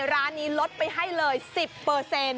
ร้านนี้ลดไปให้เลย๑๐เปอร์เซ็นต์